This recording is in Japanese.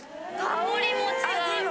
香りも違う。